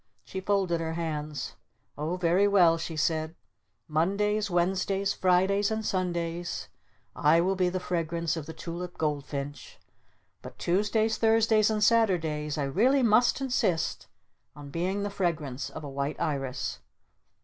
She folded her hands. "Oh very well," she said. "Mondays, Wednesdays, Fridays, and Sundays, I will be the fragrance of the Tulip Goldfinch. But Tuesdays, Thursdays and Saturdays I really must insist on being the fragrance of a White Iris!"